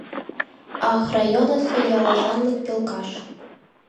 — Ах, районысо ялозанлык пӧлкаш!